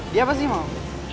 dia pasti mau